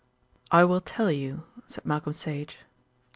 "I will tell you," said Malcolm Sage.